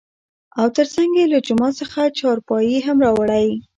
او تر څنګ يې له جومات څخه چارپايي هم راوړى .